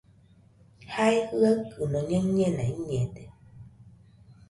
Jae jɨaɨkɨno ñaɨllena iñede.